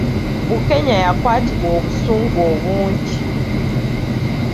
Bukenya yakwatibwa obusungu obungi!